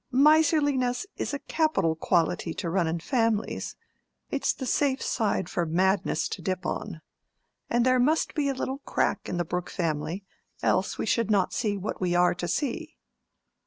Miserliness is a capital quality to run in families; it's the safe side for madness to dip on. And there must be a little crack in the Brooke family, else we should not see what we are to see."